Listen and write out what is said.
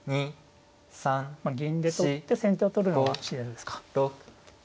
まあ銀で取って先手を取るのが自然ですか。